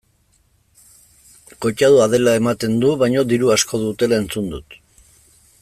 Koitadua dela ematen du baina diru asko dutela entzuna dut.